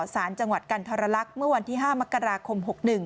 สารจังหวัดกันทรลักษณ์เมื่อวันที่๕มกราคม๖๑